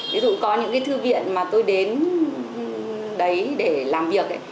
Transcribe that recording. ví dụ có những cái thư viện mà tôi đến đấy để làm việc ấy